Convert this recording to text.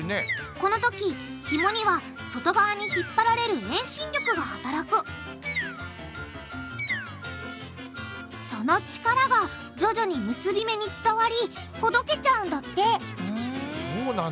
このときひもには外側に引っ張られる遠心力が働くその力が徐々に結び目に伝わりほどけちゃうんだってふん。